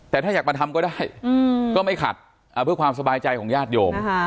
แต่ถ้าอยากมาทำก็ได้ก็ไม่ขัดเพื่อความสบายใจของญาติโยม